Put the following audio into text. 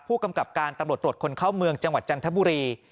ผู้กำกับการตำรวจตรวจคนเข้าเมืองจังหวัดจันทบุรี